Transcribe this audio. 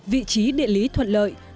vị trí địa lý thuận lợi